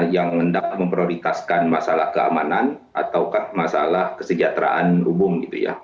yang mendak memprioritaskan masalah keamanan atau masalah kesejahteraan hubung gitu ya